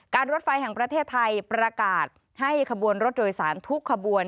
รถไฟแห่งประเทศไทยประกาศให้ขบวนรถโดยสารทุกขบวน